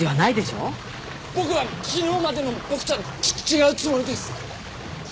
僕は昨日までの僕とはち違うつもりです